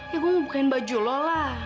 ya gue mau bukain baju lo lah